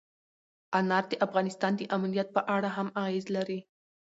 انار د افغانستان د امنیت په اړه هم اغېز لري.